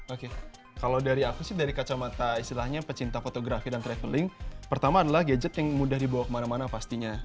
oke kalau dari aku sih dari kacamata istilahnya pecinta fotografi dan traveling pertama adalah gadget yang mudah dibawa kemana mana pastinya